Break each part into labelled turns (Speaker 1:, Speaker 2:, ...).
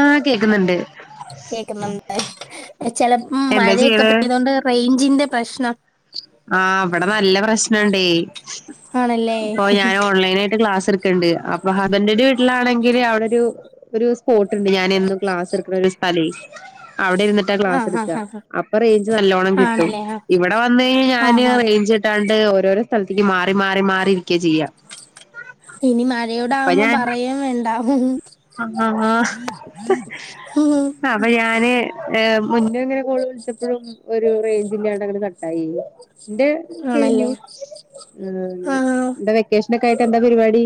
Speaker 1: ആഹ് കേക്കുന്നുണ്ട്
Speaker 2: കേക്കുന്നുണ്ടോ ചിലപ്പോ
Speaker 1: എന്താ
Speaker 2: മഴയൊക്കെ
Speaker 1: ചെയ്യണേ
Speaker 2: പെയ്തോണ്ട് റേഞ്ചിന്റെ പ്രശ്നം
Speaker 1: ആഹ് ഇവടെ നല്ല പ്രശ്നണ്ടേയ്
Speaker 2: ആണല്ലേ
Speaker 1: ഇപ്പൊ ഞാൻ ഓൺലൈന ആയിട്ട് ക്ലാസ് എട് സ്പോട്ട്ണ്ട് അപ്പൊ ഹസ്ബൻഡന്റെ വീട്ടിലാണെങ്കിൽ അവിടെ ഒരു ഒരു സ്പോട്ട്ണ്ട് ഞാന് എന്നും ക്ലാസ് എടുക്ക്ണരു സ്പോട്ട് അതെ അവിടെ ഇര്ന്നിട്ടാ ക്ലാസ്
Speaker 2: ആഹ് ആഹ്
Speaker 1: ഇട്ക്ക
Speaker 2: ആഹ്
Speaker 1: അപ്പൊ റേഞ്ച് നല്ലോണം
Speaker 2: ആഹ്
Speaker 1: കിട്ടും
Speaker 2: ആണല്ലേ ആഹ്
Speaker 1: ഇവിടെ വന്ന് കഴിഞ്ഞയ്ഞ്ഞാ ഞാന്
Speaker 2: ആഹ് ആഹ്
Speaker 1: റെയ്ഞ്ച് കിട്ടാണ്ട് ഓരോരോ സ്ഥലത്തേക്ക് മാറി മാറി മാറി ഇരിക്ക ചെയ്യാ
Speaker 2: ഇനി മഴയോട്
Speaker 1: അപ്പൊ
Speaker 2: ആകുമ്പോ
Speaker 1: ഞാൻ
Speaker 2: പറയെ വേണ്ട
Speaker 1: ആഹ് ആഹ് ആഹ് അപ്പൊ ഞാന് ഏഹ് മുന്നേ ഇങ്ങനെ കോള് വിളിച്ചപ്പോഴും ഒരു റേഞ്ചില്ലാണ്ട് ങ്ങനെ കട്ടായേയ് ന്റ്
Speaker 2: ആണല്ലേ
Speaker 1: കഴിഞ്ഞു
Speaker 2: ആഹ്
Speaker 1: ന്ത വെക്കേഷനൊക്കെ ആയിട്ട് എന്താ പരിപാടി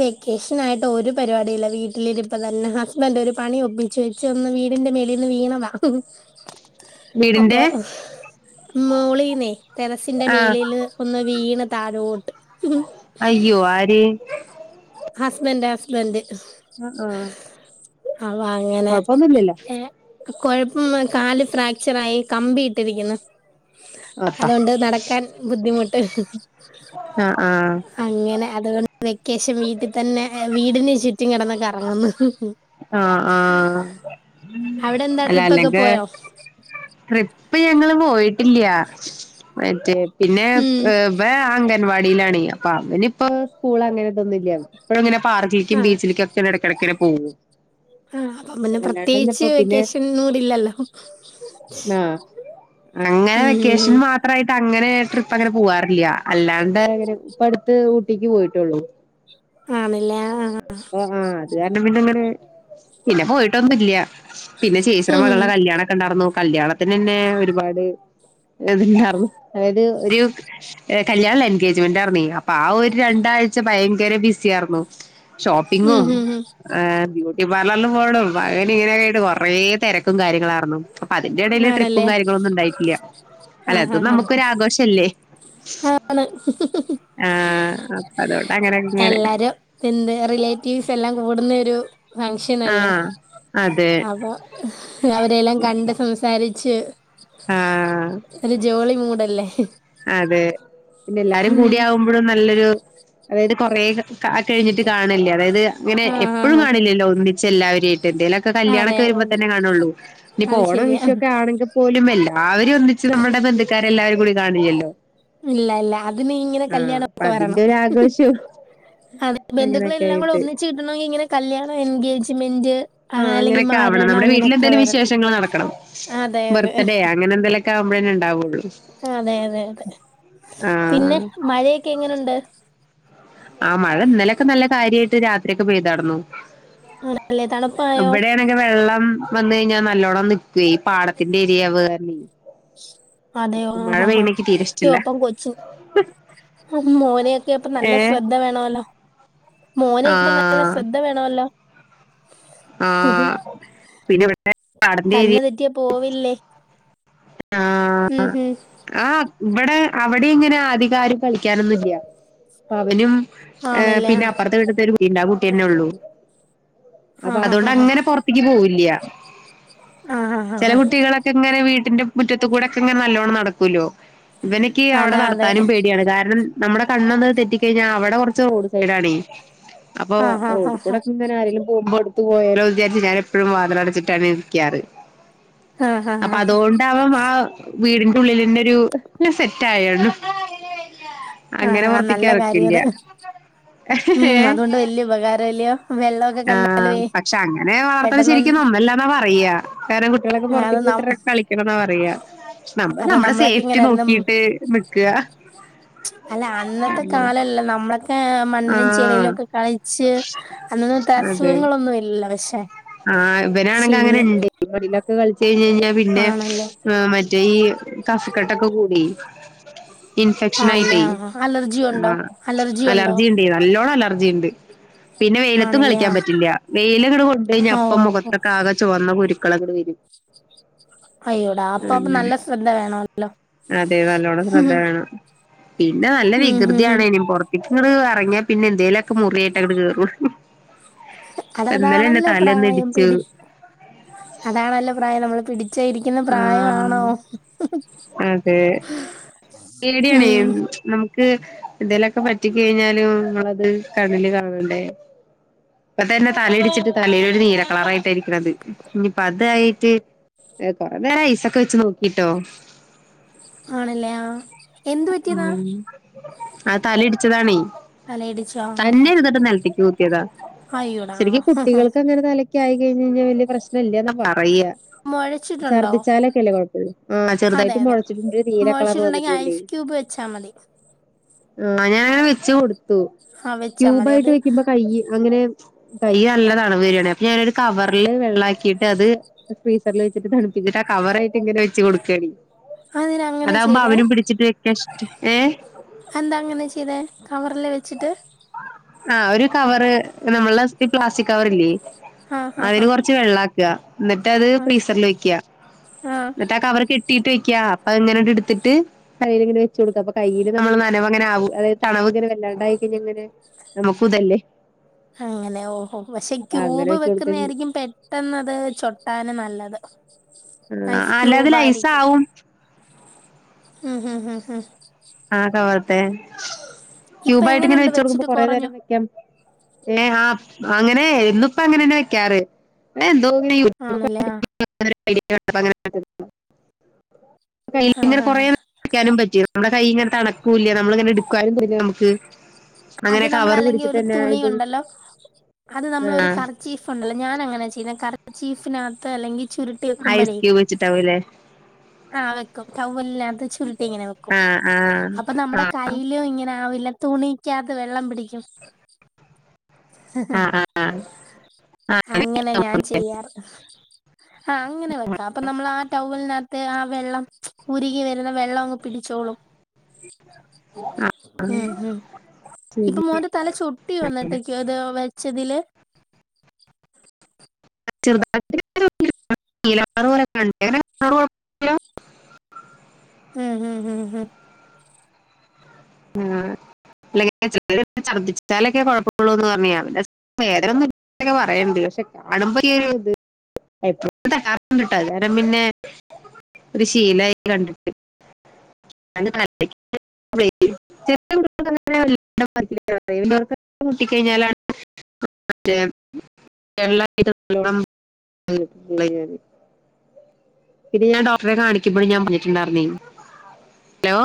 Speaker 2: വെക്കേഷൻ ആയിട്ട് ഒരു പരിപാടി ഇല്ല വീട്ടില ഇരുപ്പ് തന്നെ ഹസ്ബന്റ് ഒരു പണി ഒപ്പിച്ച് ചോച്ചി ഒന്ന് വീടിന്റെ മേലിന്ന് വീണത അപ്പൊ
Speaker 1: വീടിന്റെ
Speaker 2: മോളീന്നെയ് ടെറസിന്റെ
Speaker 1: ആഹ്
Speaker 2: മേളില് ഒന്ന് വീണ് താഴോട്ട്
Speaker 1: അയ്യോ ആര്
Speaker 2: ഹസ്ബൻഡ് ഹസ്ബൻഡ്
Speaker 1: ആഹ് ആഹ്
Speaker 2: അവ അങ്ങനെ
Speaker 1: കൊഴപ്പൊന്നുല്ലല്ലോ
Speaker 2: ഏഹ് കൊഴപ്പൊന്ന് കാല് ഫ്രാക്ചറായി കമ്പി ഇട്ടിരിക്ക്ന്ന്
Speaker 1: ആഹ്
Speaker 2: അതൊണ്ട് നടക്കാൻ ബുദ്ധിമുട്ട്
Speaker 1: ആഹ് ആഹ്
Speaker 2: അങ്ങനെ അതുകൊണ്ട് വെക്കേഷൻ വീട്ടി തന്നെ വീടന് ചുറ്റും കെടന്ന് കറങ്ങുന്നു
Speaker 1: ആഹ് ആഹ്
Speaker 2: അവിടെ എന്താ
Speaker 1: അല്ല
Speaker 2: ട്രിപ്പൊക്കെ
Speaker 1: അല്ലെങ്കിലെ
Speaker 2: പോയോ
Speaker 1: ട്രിപ്പ് ഞങ്ങള് പോയിട്ടില്ല മറ്റേ പിന്നെ
Speaker 2: ഉം
Speaker 1: ഏഹ് ഇവൻ ഓൻ അംഗൻവാടിലാണെയ് അപ്പൊ അവനിപ്പോ സ്കൂൾ അങ്ങനെതൊന്നുല്ലല്ലോ പാർക്കിക്കും
Speaker 2: ആഹ്
Speaker 1: ബീച്ചില്ക്കെക്കെ എട്ക്കട്ക്ക്ങ്ങനെ പോകും
Speaker 2: ആഹ് അപ്പ പിന്നെ
Speaker 1: അല്ലാണ്ടന്നെ
Speaker 2: പ്രത്യേകിച്ച്
Speaker 1: ഇപ്പോ പിന്നെ
Speaker 2: വെക്കേഷൻ മൂടില്ലല്ലോ
Speaker 1: ആഹ് അങ്ങനെ വെക്കേഷൻ മാത് മാത്രായിട്ട് അങ്ങനെ ട്രിപ്പങ്ങനെ പോവാറില്ല അല്ലാണ്ട് ങ്ങനെ ഇപ്പട്ത്ത് ഊട്ടിക്ക് പോയിട്ടുള്ളൂ
Speaker 2: ആണ്ല്ലേ ആഹ് ആഹ് ആഹ്
Speaker 1: ആഹ് ആഹ് അത് കാരണം പിന്നെങ്ങനെ പിന്നെ പോയിട്ടൊന്നുല്ല പിന്നെ ചേച്ചിടെ
Speaker 2: ഉം ഉം
Speaker 1: മക്കൾടെ കല്യാണൊക്കെ ഉണ്ടായിർന്നു കല്യാണത്തിന് തന്നെ ഒരുപാട് അതില്ലർന്നു അതായത് ഒരു കല്യാണല്ല എൻഗേജ്മെന്റ് ആയിർന്നെ അപ്പൊ ആ ഒരു രണ്ടാഴ്ച ഭയങ്കര ബിസിയായിരുന്നു ഷോപ്പിങ്ങും
Speaker 2: ഉം ഉം ഉം
Speaker 1: ബ്യൂട്ടി പാർലറിൽ പോകണം പകന് ഇങ്ങനെയൊക്കെയായിട്ട് കുറെേ തിരക്കും കാര്യങ്ങളായിരുന്നു അപ്പൊ അതിന്റെ ഇടൽ ട്രിപ്പും
Speaker 2: ആണല്ലേ
Speaker 1: കാര്യങ്ങളും ഒന്നും ഉണ്ടായിട്ടില്ല അല്ല
Speaker 2: ആഹ്
Speaker 1: അതും
Speaker 2: ആഹ്
Speaker 1: നമുക്ക് ഒരുരാഘോഷം അല്ലേ
Speaker 2: ആഹ് ആണ്
Speaker 1: ആഹ അപ്പ അതുകൊണ്ട് അങ്ങനെൊക്കെ ഇങ്ങനെ
Speaker 2: എല്ലാരും എന്ത് റിലേറ്റീവ്സ് എല്ലാം കൂടുന്നരു ഫങ്ഷനല്ലേ
Speaker 1: ആഹ് അതെ
Speaker 2: അപ്പൊ അവരെയെല്ലാം കണ്ട് സംസാരിച്ച്
Speaker 1: ആഹ്
Speaker 2: ഒരു ജോളി മൂടല്ലേ
Speaker 1: അതെ പിന്നെ എല്ലാരും
Speaker 2: ഉം
Speaker 1: കൂടി ആകുമ്പോഴും നല്ലൊരു അതായത് കൊറെ കഴിഞ്ഞിട്ട് കാണല്ലേ അതായത് അങ്ങനെ
Speaker 2: ആഹ്
Speaker 1: എപ്പോഴും
Speaker 2: ആഹ് ആഹ്
Speaker 1: കാണില്ലല്ലോ ഒന്നിച്ച് എല്ലാവരെയായിട്ട് എന്തേലും
Speaker 2: അതെ
Speaker 1: കല്യാണൊക്കെ
Speaker 2: അതെ
Speaker 1: വരുമ്പോ
Speaker 2: അതെ
Speaker 1: തന്നെ കാണുള്ളൂ ഇനിയിപ്പോ
Speaker 2: അത്
Speaker 1: ഓണം
Speaker 2: ശരിയാ
Speaker 1: വിഷു ഒക്കെ ആണെങ്കിൽ പോലും എല്ലരും ഒന്നിച്ച് നമ്മുടെ ബന്ത് ഇക്കാരെ എല്ലാവരും കൂടി കാണലില്ലോ
Speaker 2: ഇല്ല ഇല്ല അതിന് ഇങ്ങനെ കല്യാണോക്കെ
Speaker 1: അതിന്റെ
Speaker 2: വരണം
Speaker 1: ഒരു ആഘോഷവും
Speaker 2: അതെ
Speaker 1: അങ്ങനെയൊക്കെ
Speaker 2: ബന്ധുക്കളെല്ലാം കൂടെ
Speaker 1: ആയിട്ട്
Speaker 2: ഒന്നിച്ച് കിട്ടണമെങ്ക ഇങ്ങനെ കല്യാണം എൻഗേജ്മെന്റ്
Speaker 1: ആ
Speaker 2: അങ്ങനെ അല്ലെങ്കിൽ
Speaker 1: അങ്ങനെയൊക്കെ ആവണം
Speaker 2: മരണം
Speaker 1: നമ്മുടെ
Speaker 2: അങ്ങനെയൊക്കെ
Speaker 1: വീട്ടിൽെന്തേലും
Speaker 2: വരണം
Speaker 1: വിശേഷങ്ങൾ നടക്കണം
Speaker 2: അതെ അതെ
Speaker 1: ബർത്ത്ഡേ അങ്ങനെ എന്തേലുമൊക്കെ ആവുമ്പോഴേന്ന ഇണ്ടാവുള്ളു
Speaker 2: അതെ അതെ അതെ പിന്നെ
Speaker 1: ആഹ്
Speaker 2: മഴയൊക്കെ എങ്ങനെയുണ്ട്
Speaker 1: ആ മഴ ഇന്നലൊക്കെ നല്ല കാര്യമായിട്ട് രാത്രി ഒക്കെ പെയ്താടന്നു
Speaker 2: ആല്ലേ തണുപ്പായോ
Speaker 1: അക്കെ വെള്ളം വന്ന കഴിഞ്ഞാൽ നല്ലോണം നിക്കുവ ഈ പാടത്തിന്റെ ഏരിയയാ വ്
Speaker 2: അതെ ആ ആ ആ ഈ ഒപ്പം കൊച്ചി ആ മോനൊക്കെ അപ്പൊ നല്ല
Speaker 1: ഏഹ്
Speaker 2: ശ്രദ്ധ വേണമല്ലോ മോനേ ഇപ്പൊ നല്ല
Speaker 1: ആഹ്
Speaker 2: ശ്രദ്ധ വേണല്ലോ
Speaker 1: ആഹ് പിന്നെ ഇവിടെ പാടന്റെ ഏരിയ
Speaker 2: കണ്ണ് തെറ്റിയാ പോവില്ലേ
Speaker 1: ആഹ്
Speaker 2: ഉം ഹും
Speaker 1: ആ ഇവിടെ അവിടെ ഇങ്ങനെ അധികം ആരും കളിക്കാനൊന്നുംല്ല അവനും
Speaker 2: ആണല്ലേ ആ
Speaker 1: പിന്നെ അപ്പുറത്തെ വീട്ടിത്തെ ഒരു കുട്ടി കുട്ടിന്നെ ഉള്ളൂ അപ്പൊ
Speaker 2: ആഹ്
Speaker 1: അതുകൊണ്ട്
Speaker 2: ഹ ഹ
Speaker 1: അങ്ങനെ പൊറത്തേക്ക് പോവില്ല
Speaker 2: ആഹ് ഹ
Speaker 1: ചെല
Speaker 2: ഹ
Speaker 1: കുട്ടികളൊക്കെ ങ്ങനെ വീട്ടിന്റെ മുറ്റത്ത് കൂടെ ഒക്കെ ഇങ്ങനെ നല്ലോണ്ണം നടക്കല്ലോ ഇവനക്ക് അവിടെ
Speaker 2: അതെ അതെ
Speaker 1: നടത്താനും പേടിയാണ് കാരണം നമ്മുടെ കണ്ണന്ന് തെറ്റി കഴിഞ്ഞാ അവിടെ കുറച്ച് റോഡ് സൈഡാണ അപ്പൊ
Speaker 2: ആഹ് ഹ
Speaker 1: റോഡിൽ
Speaker 2: ഹ
Speaker 1: കൂടെ ഒക്കെങ്ങെ ആരെങ്കിലും പോകുമ്പോ പോയാലോ വിചാരിച്ച് ഞാൻ എപ്പോഴും വാതിൽ അടച്ചിട്ടാണ് ഇരിക്കാറ്
Speaker 2: ആഹ് ഹ
Speaker 1: അപ്പൊ
Speaker 2: ഹ
Speaker 1: അതുകൊണ്ട് ആ വീടിന്റെ ഉള്ളിൽ തന്നെ ഒരു സെറ്റ് ആയാണ് അങ്ങനെ
Speaker 2: ആഹ് ആ നല്ല കാര്യം
Speaker 1: പൊർത്തിക്കാറക്കില്ല
Speaker 2: അത്
Speaker 1: ഏ
Speaker 2: വലിയ ഉപകാരം [unintelligible] വെള്ള
Speaker 1: ആഹ് പക്ഷെ അങ്ങനെ വളർത്തന ശരിക്കും നന്നല്ലാന്നാ പറയാ കാരണം കുട്ടികളൊക്കെ
Speaker 2: ആ
Speaker 1: പുറത്ത
Speaker 2: അത് ന
Speaker 1: ഇട്ട കള പറയാ നമ്മ
Speaker 2: അതെ
Speaker 1: നമ്മുടെ
Speaker 2: നമ്മളൊക്കെ
Speaker 1: സേഫ്റ്റി
Speaker 2: ഇങ്ങനായിരുന്നു
Speaker 1: നോക്കിട്ട് നിക്കുക
Speaker 2: അല്ല അന്നത്തെ കാലല്ല നമ്മളൊക്കെ മണ്ണിലും
Speaker 1: ആഹ്
Speaker 2: ചെളയിലും ഒക്കെ കളിച്ച് അന്നത്തെ അസുഖങ്ങളൊന്നും ഇല്ലല്ലോ പക്ഷെ
Speaker 1: ആ ഇവൻ
Speaker 2: പക്ഷെ
Speaker 1: ആണെങ്കിൽ
Speaker 2: ഇന്ന്
Speaker 1: അങ്ങനെണ്ട് മണിലൊക്കെ കളിച്ചച്ച് കഴിഞ്ഞഞ് കഴിഞ്ഞാൽ പിന്നെ
Speaker 2: ആണല്ലേ
Speaker 1: ആഹ് മറ്റേ ഈ കഫ്ക്കെട്ടൊക്കെ കൂടി ഇൻഫെക്ഷൻ ആയിട്ട
Speaker 2: ആണല്ലേ ആ അലർജി
Speaker 1: ആ
Speaker 2: ഉണ്ടോ ഉണ്ടോ
Speaker 1: അലർജി നല്ലോണം അലർജി ഉണ്ട് പിന്നെ വെയിലത്തും
Speaker 2: ആണല്ലേ
Speaker 1: കളിക്കാൻ
Speaker 2: ആ
Speaker 1: പറ്റില്ല വെയില
Speaker 2: ഓ
Speaker 1: പ്പം മുഖത്തൊക്കെ ആകെ ചുവന്ന കുരുക്കളക്കടെ വരും
Speaker 2: അയ്യോടാ അപ്പൊ അപ്പൊ
Speaker 1: ങ്ങെ
Speaker 2: നല്ല ശ്രദ്ധ വേണോ
Speaker 1: അതെ നല്ലോണം ശ്രദ്ധ വേണം പിന്നെ നല്ല
Speaker 2: ഉം ഉം ഉം
Speaker 1: വികൃതിയാണനും പുറത്ത് എ ഇങ്ങള് ഇറങ്ങ്യ പിന്നെ എന്തേലുംക്കെ മുറി ആയിട്ട് അടെ കേറും ഇന്നലെ എന്റെ
Speaker 2: അതതാണല്ലോ
Speaker 1: തലയൊന്ന്
Speaker 2: പ്രായം
Speaker 1: ഇടിച്ചു
Speaker 2: പിടി അതാണല്ലോ പ്രായം നമ്മൾ പിടി ചരിക്കുന്ന
Speaker 1: ആഹ്
Speaker 2: പ്രായമാണോ
Speaker 1: അതെ പേടിയാണ
Speaker 2: ഉം
Speaker 1: നമുക്ക് ക്ക് എന്തേലൊക്കെ പറ്റി കഴിഞ്ഞാലും നമ്മളത് കണ്ണില് കാണണ്ടേ ഇപ്പൊ തന്നെ തല ഇടിച്ചിട്ട് തലൽൊരു നീല കളറായിട്ടായിരിക്കണ അത് ഇനിയിപ്പ അതായിട്ട് ഏ ഹ് കുറെേ നേരം ഐസൊക്കെ വെച്ച് നോക്കിട്ടോ
Speaker 2: ആണല്ലേ ആഹ് എന്ത് പറ്റിയതാ
Speaker 1: ആ തല ഇടിച്ചതാണ
Speaker 2: തലയിടിച്ചോ
Speaker 1: തന്നെ ഒരു ഇതട്ട നിലത്തേക്ക് ത്തിയതാ
Speaker 2: അയ്യോടാ
Speaker 1: ശരിക്കും കുട്ടികൾക്ക് അങ്ങനെ നില ഒ ആയി കഴി കഴിഞ്ഞാല്യ പ്രശ്നല്ലന്നാ പറയാ
Speaker 2: മുഴച്ചിട്ടുണ്ടോ
Speaker 1: ഛർദ്ദിച്ചാലൊക്കെല്ലേ കുഴപ്പള്ളൂ ആഹ്
Speaker 2: അതെ
Speaker 1: ചെറുതായിട്ട്
Speaker 2: അതെ
Speaker 1: മുളച്ചിട്ടുണ്ട് നീല കളർ
Speaker 2: മുഴച്ചിട്ടുണ്ടെങ്കിൽ
Speaker 1: വന്നിട്ടുണ്ടേ
Speaker 2: ഐസ് ക്യൂബ് വെച്ചാൽ മതി [inaudible]
Speaker 1: ആഹ് ഞൻങ്ങെ വെച്ച് കൊടുത്തു
Speaker 2: ആ വെച്ചാ മതി
Speaker 1: ക്യൂബയ്യിട്ട്
Speaker 2: അത്
Speaker 1: വെക്കുമ്പോ കയ്യ് അങ്ങനെ കൈ നല്ല താണവരിവായാണെ അപ്പൊ ഞാനൊരു കവറില് വെള്ളക്കിയിട്ട് അത് ഫ്രീസറിൽ വെ തണുപ്പിച്ചിട്ട് കവറായിട്ട് ഇങ്ങനെ വെച്ച് കൊടുക്കാണ്
Speaker 2: അതിനങ്ങനെ
Speaker 1: അതാവുമ്പ
Speaker 2: ചെയ്തേ
Speaker 1: അവനും പിടിച്ചിട്ട് ഇഷ്ട്ട് ഏഹ്
Speaker 2: എന്താ അങ്ങനെ ചെയ്തെ കവറില് വെച്ചിട്ട്
Speaker 1: ആഹ് ഒരു കവറ് നമ്മള പ്ലാസ്റ്റിക് കവറില്ലേ
Speaker 2: ആ ആ
Speaker 1: അതില്
Speaker 2: ആ
Speaker 1: കുറച്ച് ച് വെള്ളക്ക എന്നിട്ട് അത്
Speaker 2: ആ
Speaker 1: ഫ്രീസറിൽ വെക്ക എന്നിട്ട് ആ കവറ് കി കിട്ടീട്ട് വെക്ക അപ്പ എങ്ങനങ്ട് എടുത്തിട്ട് കയ്യി ഇങ്ങനെ വെച് കൊടുക്ക അപ്പ കയ്യില് നമ്മള് നനവ് അങ്ങനെ ആവൂ അഅതായത് തണവ് ഇങ്ങനെ വല്ലാണ്ടായി കഴിഞ്ഞങ്ങനെ നമ്മ കൂതല്ലേ
Speaker 2: അങ്ങനെ ഓഹോ പക്ഷെ
Speaker 1: അങ്ങനെ
Speaker 2: ക്യൂബ്
Speaker 1: വെച്ച് കൊടുക്ക
Speaker 2: വെക്കുന്ന ആയിരിക്കും പെട്ടെന്നത് ചൊട്ടാന് നല്ലത് ഐസ്
Speaker 1: ആഹ്
Speaker 2: ക്യൂബ്
Speaker 1: അല്ലാതിലൈസാവും
Speaker 2: ഹും ഹും ഹും
Speaker 1: ആ കവറിത്തെ
Speaker 2: ഇപ്പൊ
Speaker 1: ക്യൂബ ആയിട്ട് ഇങ്ങനെ
Speaker 2: എങ്ങനുണ്ട്
Speaker 1: വെച്ച കൊടുക്കുമ്പോ
Speaker 2: വെച്ചിട്ട്
Speaker 1: കൊറേ
Speaker 2: കൊറഞ്ഞോ
Speaker 1: നേരം വെക്കാം ഏഹ് ആഹ് അങ്ങനെ ഇന്നിപ്പോ അങ്ങനെന്നെ വെക്കാറ് എന്തോ യൂട്ടൂബൊക്കെ
Speaker 2: ആണല്ലേ
Speaker 1: അടിച്ചു
Speaker 2: ആഹ്
Speaker 1: നോക്കിയ നേരം അതിലിങ്ങനെ കണ്ടപ്പോ അങ്ങനെ കയ്യില്
Speaker 2: ആഹ്
Speaker 1: ഇങ്ങനെ കൊറേ
Speaker 2: ആഹ്
Speaker 1: വെക്കാനും പറ്റി നമ്മള് കൈ ഇങ്ങനെ തണക്കൂല്ല നമ്മള ഇങ്ങനെ എടുക്കുവാനും ഇതാ നമുക്ക്
Speaker 2: അത്
Speaker 1: അങ്ങനെ
Speaker 2: നമ്മൾ
Speaker 1: കവർ
Speaker 2: അല്ലെങ്കിൽ
Speaker 1: പിടിച്ചിട്ട്
Speaker 2: ഒരു
Speaker 1: തന്നെ അതിന്റെ ഉള്ളിൽ
Speaker 2: തുണിയുണ്ടല്ലോ അത് നമ്മൾ
Speaker 1: ആ
Speaker 2: ഒരു കറു ചീഫ്ണ്ടല്ല ഞാനങ്ങനെ ചെയ്യുന്ന കറ ചീഫിനകത്ത് അല്ലെങ്കിൽ ചുരുട്ടി വെക്കുമ്പഴേ
Speaker 1: വെച്ചിട്ടാവല്ലേ
Speaker 2: ആഹ് വെക്കും ടൗവ്വലിനകത്ത് ചുരുട്ടി ഇങ്ങനെ വെക്കും
Speaker 1: ആ ആ
Speaker 2: അപ്പൊ
Speaker 1: ആ
Speaker 2: നമ്മുടെ കൈയ്യില് ഇങ്ങനെ ആവില്ല തുണി ക്കാകത്ത് വെള്ളം പിടിക്കും.
Speaker 1: ആ ആ
Speaker 2: അങ്ങനെ ഞാൻ ചെയ്യാറ്. ആഹ് അങ്ങനെ വെക്കാം അപ്പൊ നമ്മൾ ആ ടൗവലിന. ത്തെ ആ വെള്ളം ഉരുകി വരുന്ന വെള്ളം അങ്ങ് പിടിച്ചോളും. ഉം ഉം
Speaker 1: ശരി
Speaker 2: ഇപ്പം മോന്റേ തല ചൊട്ടിയോ അന്നത്തേക്ക് അത് വെച്ചതില്.
Speaker 1: ചേറ്തായിട്ട് ഇങ്ങനെ. [unintelligible] പോലെ കണ്ടേന
Speaker 2: ഉം ഉം ഉം ഉം
Speaker 1: ആ അല്ലെങ്കി [unintelligible] ഛർദിച്ട്ടാലൊക്കെ കൊഴപ്പ ഒള്ളൂന്ന് പർഞ്ഞ് ഞാൻ പിന്നെ വേദനന്നുല്ലാന്നൊക്കെ പറയ്ണ്ട് പക്ഷെ കാണുമ്പോ ഒര് ഇത്. എപ്പോഴും [unintelligible] എല്ലാരും പിന്നെ. ഒര് ശീലായി കണ്ട്ട്ട്. [unintelligible] [unintelligible] മുട്ടിക്കഴിഞ്ഞാലാണ്. മറ്റെ [unintelligible] നല്ലോണം. [unintelligible] പിന്നെ ഞാൻ ഡോക്ടറെ കാണിക്കുമ്പഴും ഞാൻ പർഞ്ഞിട്ട്ണ്ടായിർന്നെ ഹലോ